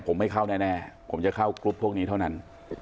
ผมไม่เข้าแน่ผมจะเข้ากรุ๊ปพวกนี้เท่านั้น